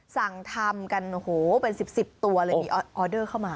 สั่งทำกันโอ้โหเป็น๑๐ตัวเลยมีออเดอร์เข้ามา